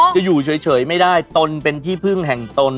จะอยู่เฉยไม่ได้ตนเป็นที่พึ่งแห่งตน